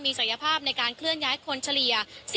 ศักยภาพในการเคลื่อนย้ายคนเฉลี่ย